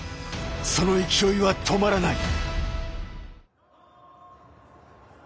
その勢いは止まらない。